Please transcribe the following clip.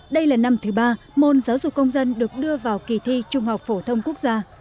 đây là năm thứ ba môn giáo dục công dân được đưa vào kỳ thi trung học phổ thông quốc gia